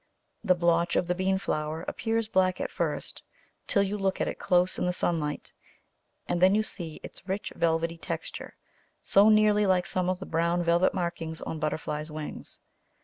The blotch of the bean flower appears black at first, till you look at it close in the sunlight, and then you see its rich velvety texture, so nearly like some of the brown velvet markings on butterflies' wings.